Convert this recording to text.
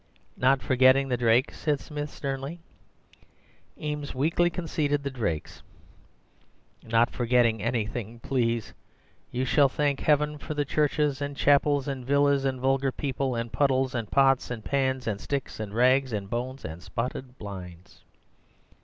"'Not forgetting the drakes,' said Smith sternly. (Eames weakly conceded the drakes.) 'Not forgetting anything, please. You shall thank heaven for churches and chapels and villas and vulgar people and puddles and pots and pans and sticks and rags and bones and spotted blinds.